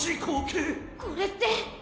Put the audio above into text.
これって。